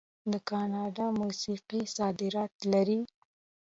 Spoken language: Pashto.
د کاناډا موسیقي صادرات لري.